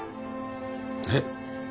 えっ？